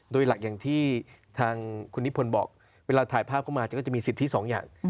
โดยหลักอย่างที่ทางคุณนิพนธ์บอกเวลาถ่ายภาพเข้ามาก็จะมีสิทธิสองอย่าง